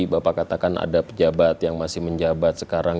bapak katakan ada pejabat yang masih menjabat sekarang